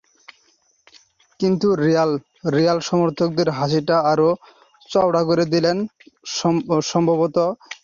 কিন্তু রিয়াল সমর্থকদের হাসিটা আরও চওড়া করে দিলেন সম্ভবত গ্যারেথ বেলই।